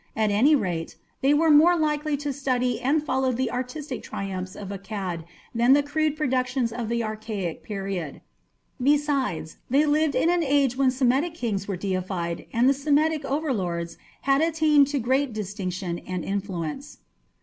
At any rate, they were more likely to study and follow the artistic triumphs of Akkad than the crude productions of the archaic period. Besides, they lived in an age when Semitic kings were deified and the Semitic overlords had attained to great distinction and influence.